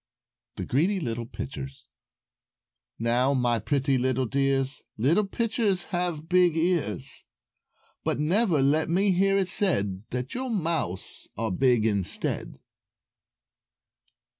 [Illustration: A Sharp Lover] THE GREEDY LITTLE PITCHERS "Now, my pretty little dears, Little Pitchers have big ears; But never let me hear it said That your mouths are big instead."